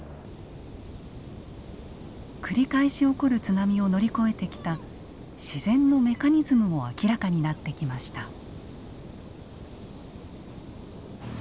繰り返し起こる津波を乗り越えてきた自然のメカニズムも明らかになってきました。